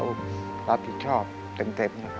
อู๊เก่ง